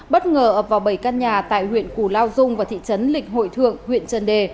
bất ngờ ập vào bảy căn nhà tại huyện củ lao dung và thị trấn lịch hội thượng huyện trần đề